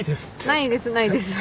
ないですないです。